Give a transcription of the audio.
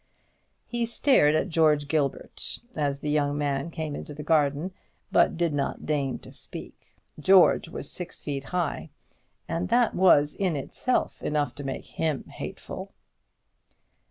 He stared at George Gilbert, as the young man came into the garden, but did not deign to speak. George was six feet high, and that was in itself enough to make him hateful.